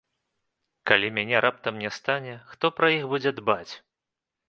Калі мяне раптам не стане, хто пра іх будзе дбаць?